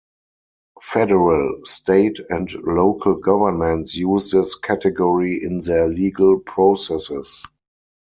Federal, state, and local governments use this category in their legal processes.